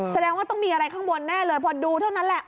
แสดงว่าต้องมีอะไรข้างบนแน่เลยพอดูเท่านั้นแหละ